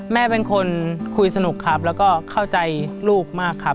แม่เป็นคนคุยสนุกครับแล้วก็เข้าใจลูกมากครับ